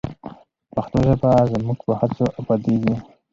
پښتو ژبه زموږ په هڅو ابادیږي.